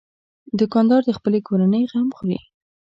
دوکاندار د خپلې کورنۍ غم خوري.